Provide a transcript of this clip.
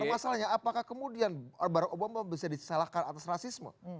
nah masalahnya apakah kemudian barack obama bisa disalahkan atas rasisme